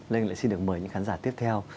linh lại xin được mời những khán giả tiếp theo